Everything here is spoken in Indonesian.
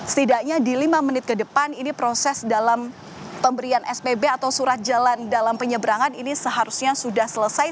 setidaknya di lima menit ke depan ini proses dalam pemberian spb atau surat jalan dalam penyeberangan ini seharusnya sudah selesai